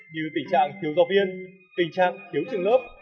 như tình trạng thiếu giáo viên tình trạng thiếu trường lớp